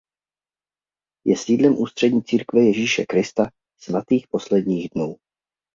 Je sídlem ústředí Církve Ježíše Krista Svatých posledních dnů.